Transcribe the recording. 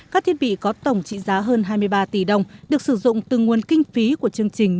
các thiết bị có tổng trị giá hơn hai mươi ba tỷ đồng được sử dụng từ nguồn kinh phí của chương trình